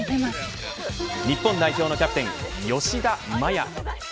日本代表のキャプテン吉田麻也。